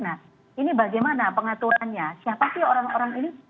nah ini bagaimana pengaturannya siapa sih orang orang ini